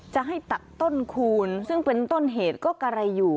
จะให้ตัดต้นคูณซึ่งเป็นต้นเหตุก็กะไรอยู่